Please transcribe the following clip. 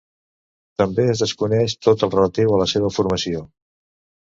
També es desconeix tot el relatiu a la seva formació.